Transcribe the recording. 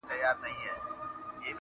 ژر سه ته زما له گرانښته قدم اخله,